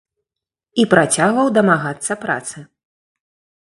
І працягваў дамагацца працы.